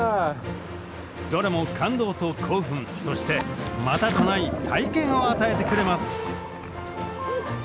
どれも感動と興奮そしてまたとない体験を与えてくれます。